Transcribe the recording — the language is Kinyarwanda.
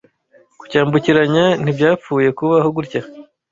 kucyambukiranya ntibyapfuye kubaho gutya